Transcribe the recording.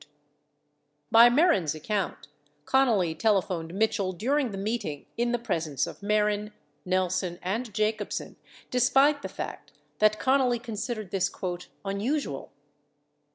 96 By Mehren's account Connally telephoned Mitchell during the meeting in the presence of Mehren, Nelson and Jacobsen, despite the fact that Connally considered this "unusual."